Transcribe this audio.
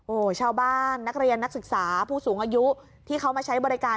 โอ้โหชาวบ้านนักเรียนนักศึกษาผู้สูงอายุที่เขามาใช้บริการ